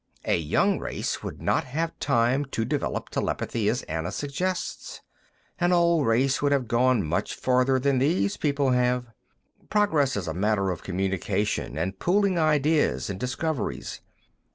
A young race would not have time to develop telepathy as Anna suggests. An old race would have gone much farther than these people have. Progress is a matter of communication and pooling ideas and discoveries.